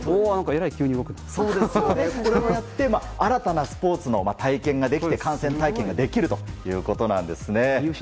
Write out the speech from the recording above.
こうやって新たなスポーツの体験ができて観戦体験ができるということです。